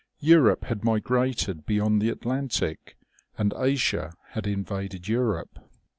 Europe had migrated beyond the Atlantic, and Asia had invaded Europe.